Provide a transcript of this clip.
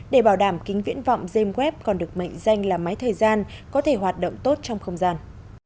để bảo đảm kính viễn vọng dây web còn được mệnh danh là máy thời gian có thể hoạt động tốt trong không gian